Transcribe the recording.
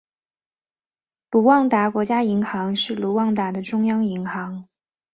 卢旺达国家银行是卢旺达的中央银行。